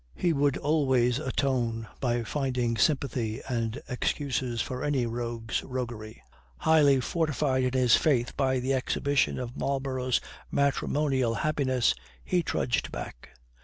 He would always atone by finding sympathy and excuses for any rogue's roguery. Highly fortified in this faith by the exhibition of Marlborough's matrimonial happiness, he trudged back.